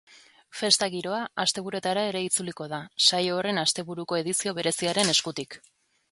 Festa giroa asteburuetara ere itzuliko da, saio horren asteburuko edizio bereziaren eskutik.